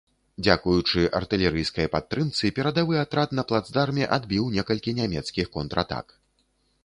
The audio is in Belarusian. Дзякуючы артылерыйскай падтрымцы перадавы атрад на плацдарме адбіў некалькі нямецкіх контратак.